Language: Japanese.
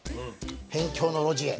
『辺境の路地へ』。